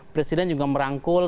presiden juga merangkul